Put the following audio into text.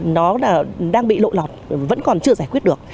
nó đang bị lộ lọt vẫn còn chưa giải quyết được